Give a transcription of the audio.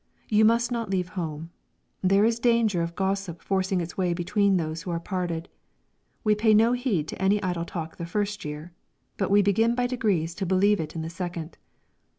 You must not leave home. There is danger of gossip forcing its way between those who are parted. We pay no heed to any idle talk the first year, but we begin by degrees to believe in it the second.